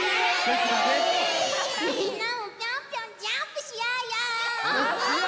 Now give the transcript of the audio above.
みんなもピョンピョンジャンプしようよ！